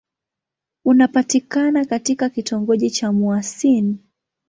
Unapatikana katika kitongoji cha Mouassine.